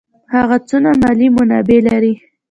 هغه څونه مالي منابع لري.